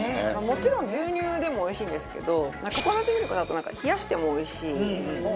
もちろん牛乳でもおいしいんですけどココナッツミルクだとなんか冷やしてもおいしい。